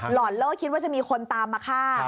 หล่อนเลิกคิดว่าจะมีคนตามมาฆ่า